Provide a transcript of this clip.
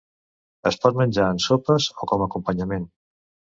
Es pot menjar en sopes o com a acompanyament.